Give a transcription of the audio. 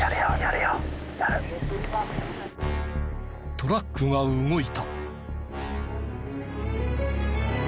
トラックが動いた。